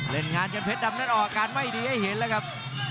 เล่นงานกันเพชรดำนั้นออกอาการไม่ดีให้เห็นแล้วครับ